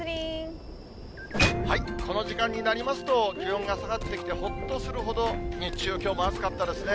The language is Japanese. この時間になりますと、気温が下がってきて、ほっとするほど、日中はきょうも暑かったですね。